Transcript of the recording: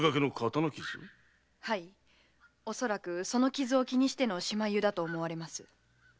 はい恐らくその傷を気にしての仕舞湯だと思われます。